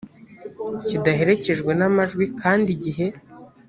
kidaherekejwe n amajwi kandi igihe